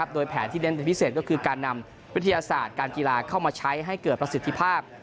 โดยแผนที่เน้นเป็นพิเศษก็คือการนำวิทยาศาสตร์การกีฬาเข้ามาใช้ให้เกิดประสิทธิภาพ